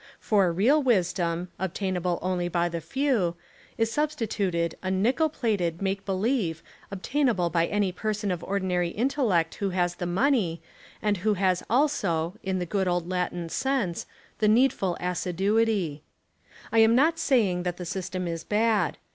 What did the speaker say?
For real wisdom, — obtain able only by the few, — is substituted a nickel plated make believe obtainable by any person of ordinary intellect who has the money, and 21 Essays and Literary Studies who has also, in the good old Latin sense, the needful assiduity, I am not saying that the system is bad.